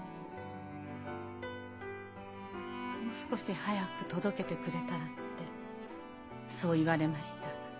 「もう少し早く届けてくれたら」ってそう言われました。